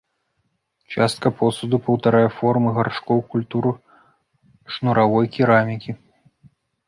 Частка посуду паўтарае формы гаршкоў культур шнуравой керамікі.